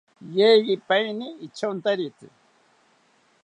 Yeyipaeni ityontaritzi